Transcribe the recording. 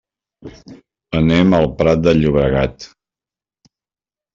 Anem al Prat de Llobregat.